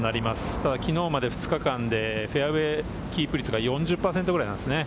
ただきのうまでの２日間でフェアウエーキープ率が４０％ぐらいなんですね。